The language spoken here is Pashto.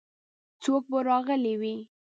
څوک به راغلي وي؟